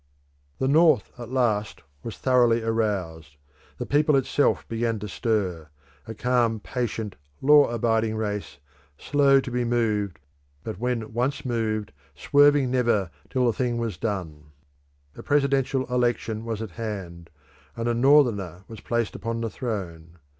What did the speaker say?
The North at last was thoroughly aroused. The people itself began to stir; a calm, patient, law abiding race, slow to be moved, but when once moved, swerving never till the thing was done. A presidential election was at hand, and a Northerner was placed upon the throne.